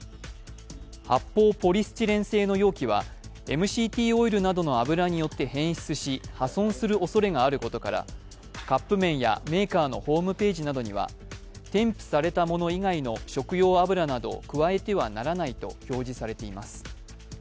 発泡ポリスチレン製の容器はＭＣＴオイルなどの油によって変質し破損するおそれがあることからカップ麺やメーカーのホームページなどには添付されたもの以外の食用油などを加えてはならないと表示されています。